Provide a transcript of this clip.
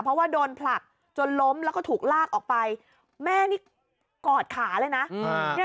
เพราะว่าโดนผลักจนล้มแล้วก็ถูกลากออกไปแม่นี่กอดขาเลยนะ